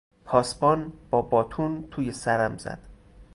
پاسبان با باتون توی سرم زد.